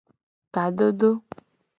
Kadodo.